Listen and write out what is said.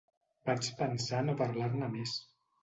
Vaig pensar no parlar-ne més.